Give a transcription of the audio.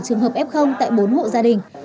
trường hợp ép không tại bốn hộ gia đình